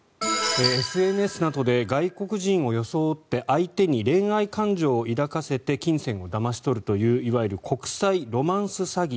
ＳＮＳなどで外国人を装って相手に恋愛感情を抱かせて金銭をだまし取るといういわゆる国際ロマンス詐欺。